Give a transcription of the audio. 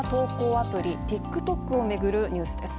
アプリ・ＴｉｋＴｏｋを巡るニュースです。